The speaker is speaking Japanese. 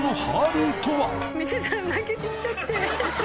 見てたら泣けてきちゃって。